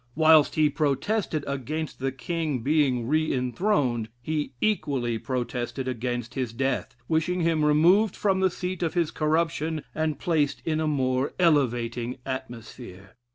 Whilst he protested against the King being re enthroned, he equally protested against his death, wishing him removed from the seat of his corruption, and placed in a more elevating atmosphere.